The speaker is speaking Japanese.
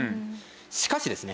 しかしですね